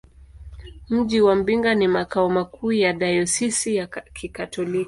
Mji wa Mbinga ni makao makuu ya dayosisi ya Kikatoliki.